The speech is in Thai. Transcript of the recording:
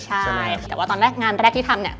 ใช่แต่ว่าตอนแรกงานแรกที่ทำเนี่ย